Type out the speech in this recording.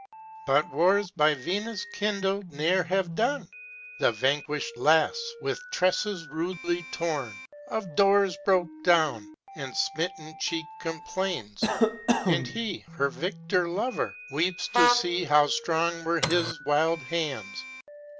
But wars by Venus kindled ne'er have done; The vanquished lass, with tresses rudely torn, Of doors broke down, and smitten cheek complains; And he, her victor lover, weeps to see How strong were his wild hands.